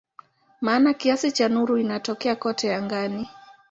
Maana kiasi cha nuru inatokea kote angani.